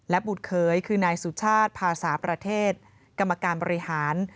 บุตรเคยคือนายสุชาติภาษาประเทศกรรมการบริหาร